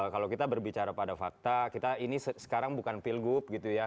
kalau kita berbicara pada fakta kita ini sekarang bukan pilgub gitu ya